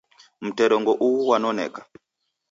Mterengo ughu ghwanoneka